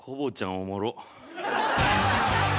おもろ。